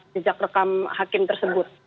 jejak rekam hakim tersebut